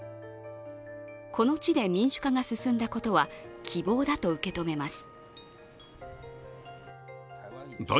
この地で民主化が進んだことは、希望だと受け止めます。